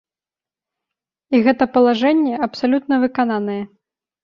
І гэта палажэнне абсалютна выкананае.